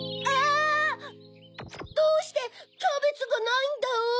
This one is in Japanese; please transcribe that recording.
どうしてキャベツがないんだよ！